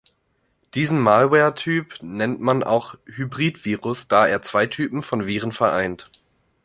Diesen Malware-Typ nennt man auch Hybrid-Virus, da er zwei Typen von Viren vereint.